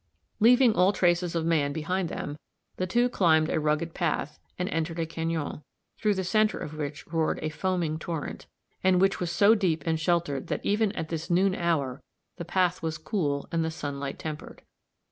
Leaving all traces of man behind them, the two climbed a rugged path, and entered a cañon, through the center of which roared a foaming torrent, and which was so deep and sheltered that even at this noon hour the path was cool and the sunlight tempered.